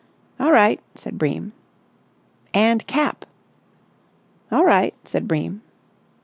"All right," said Bream. "And cap." "All right," said Bream.